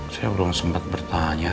saya belum sempet bertanya